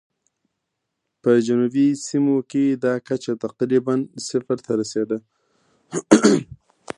په جنوبي سیمو کې دا کچه تقریباً صفر ته رسېده.